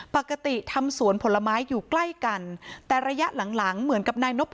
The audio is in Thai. ปกติทำสวนผลไม้อยู่ใกล้กันแต่ระยะหลังหลังเหมือนกับนายนบ